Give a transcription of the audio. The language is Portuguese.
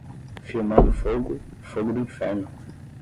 Firmando fogo, fogo do inferno.